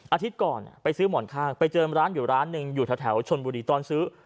อาทิตย์ก่อนไปซื้อหมอนข้างไปเจอร้านอยู่ร้านหนึ่งอยู่แถวชนบุรีตอนซื้อ